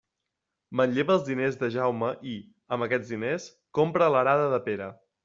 Manlleva els diners de Jaume i, amb aquests diners, compra l'arada de Pere.